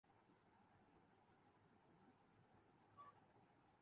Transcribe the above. اور اپنی پسندیدگی کا اظہار بھی میں نے اس سے